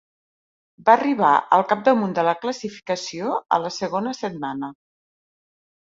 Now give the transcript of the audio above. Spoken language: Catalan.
Va arribar al capdamunt de la classificació a la segona setmana.